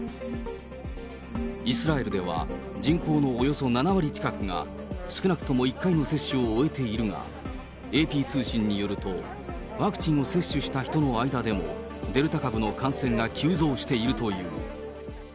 イスラエルでは人口のおよそ７割近くが少なくとも１回の接種を終えているが、ＡＰ通信によると、ワクチンを接種した人の間でも、デルタ株の感染が急増しているという。